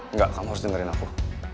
enggak kamu harus dengerin aku